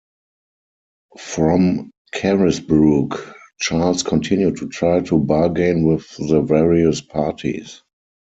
From Carisbrooke, Charles continued to try to bargain with the various parties.